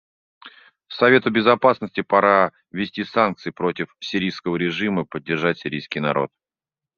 Совету Безопасности пора ввести санкции против сирийского режима и поддержать сирийский народ.